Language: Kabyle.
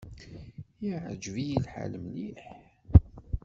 Iɛǧeb-iyi lḥal mliḥ.